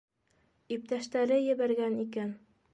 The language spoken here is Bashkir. Иптәштәре ебәргән икән.